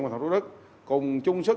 và thủ đức cùng chung sức